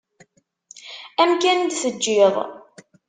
Amkan i d-teǧǧiḍ.